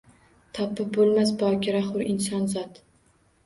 Topib boʼlmas bokira hur inson zotin